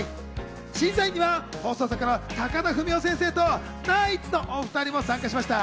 審査員には放送作家の高田文夫先生とナイツのお２人も参加しました。